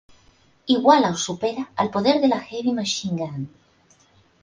Iguala o supera al poder de la Heavy Machine Gun.